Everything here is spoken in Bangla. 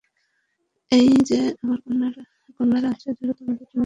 এই যে আমার কন্যারা আছে যারা তোমাদের জন্যে পবিত্রতম।